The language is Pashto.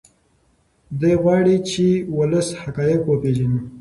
دی غواړي چې ولس حقایق وپیژني.